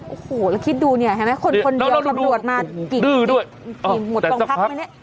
โอ้โหแล้วคิดดูเนี่ยเห็นไหมคนคนเดียวตำรวจมากี่ดื้อด้วยกี่หมดโรงพักไหมเนี่ย